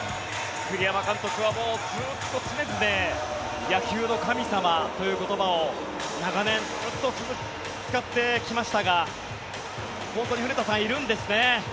栗山監督はもうずっと常々野球の神様という言葉を長年、ずっと使ってきましたが本当に古田さん、いるんですね。